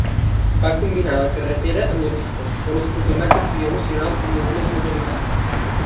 Va combinar la carretera amb la pista, on es proclamà campió nacional en algunes modalitats.